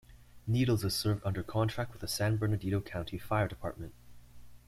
Needles is served under contract with the San Bernardino County Fire Department.